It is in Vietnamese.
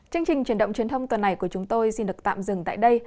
chương trình truyền động truyền thông tuần này của chúng tôi xin được tạm dừng tại đây